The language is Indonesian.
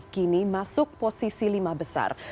kini masuk posisi lima besar